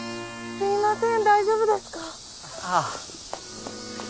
すいません。